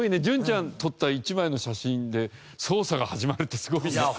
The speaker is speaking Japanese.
潤ちゃん撮った１枚の写真で捜査が始まるってすごいね。